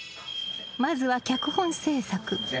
［まずは脚本制作］